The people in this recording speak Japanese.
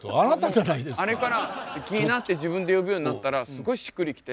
あれからＫｉｉｎａって自分で呼ぶようになったらすごいしっくり来て。